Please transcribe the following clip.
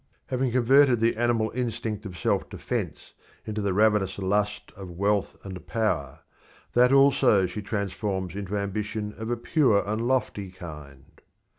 Having converted the animal instinct of self defence into the ravenous lust of wealth and power, that also she transforms into ambition of a pure and lofty kind.